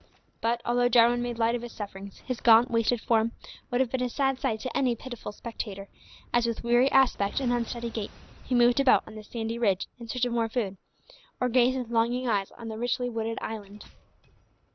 But, although Jarwin made light of his sufferings, his gaunt, wasted frame would have been a sad sight to any pitiful spectator, as with weary aspect and unsteady gait he moved about on the sandy ridge in search of more food, or gazed with longing eyes on the richly wooded island.